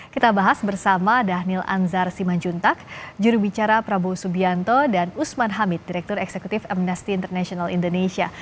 kita bahas bersama dhanil anzar simanjuntak jurubicara prabowo subianto dan usman hamid direktur eksekutif amnesty international indonesia